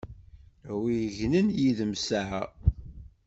A wi yegnen yid-m saɛa!